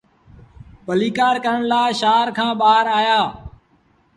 ڀليٚڪآر ڪرڻ لآ شآهر کآݩ ٻآهر آيآ۔